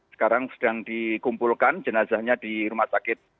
sekarang sedang dikumpulkan jenazahnya di rumah sakit